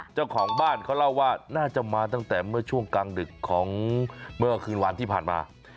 เจ้าของบ้านเขาเล่าว่าน่าจะมาตั้งแต่เมื่อช่วงกลางดึกของเมื่อคืนวันที่ผ่านมา